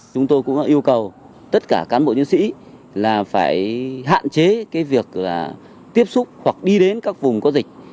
chúng tôi cũng yêu cầu tất cả cán bộ chiến sĩ là phải hạn chế cái việc là tiếp xúc hoặc đi đến các vùng có dịch